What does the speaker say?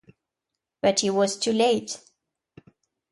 But he was too late.